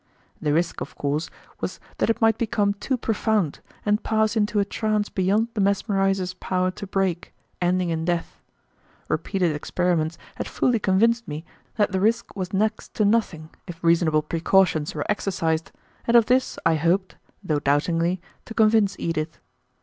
The risk, of course, was that it might become too profound and pass into a trance beyond the mesmerizer's power to break, ending in death. Repeated experiments had fully convinced me that the risk was next to nothing if reasonable precautions were exercised, and of this I hoped, though doubtingly, to convince Edith.